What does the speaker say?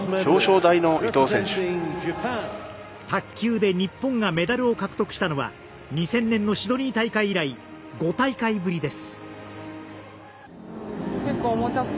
卓球で日本がメダルを獲得したのは２０００年のシドニー大会以来５大会ぶりです。